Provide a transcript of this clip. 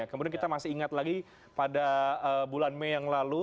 kemudian kita masih ingat lagi pada bulan mei yang lalu